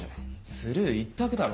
スルー一択だろ。